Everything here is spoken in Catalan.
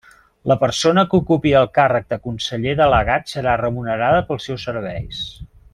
La persona que ocupi el càrrec de conseller delegat serà remunerada pels seus serveis.